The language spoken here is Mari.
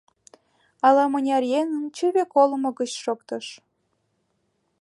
Ала-мыняр еҥын чыве колымо гыч шоктыш.